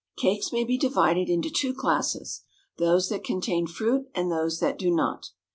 Cakes may be divided into two classes those that contain fruit and those that do not.